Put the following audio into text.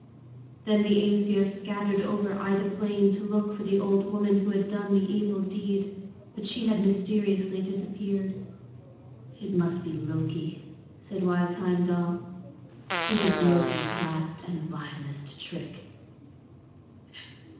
Then the Æsir scattered over Ida Plain to look for the old woman who had done the evil deed; but she had mysteriously disappeared. "It must be Loki," said wise Heimdal. "It is Loki's last and vilest trick."